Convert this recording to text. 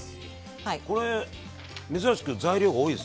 これ珍しく材料が多いですね。